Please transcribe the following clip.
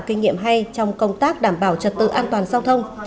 kinh nghiệm hay trong công tác đảm bảo trật tự an toàn giao thông